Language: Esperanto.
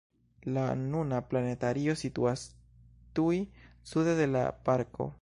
La nuna planetario situas tuj sude de la parko.